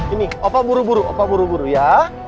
ini opa buru buru opa buru buru ya